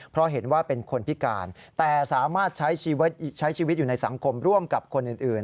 เพราะเห็นว่าเป็นคนพิการแต่สามารถใช้ชีวิตอยู่ในสังคมร่วมกับคนอื่น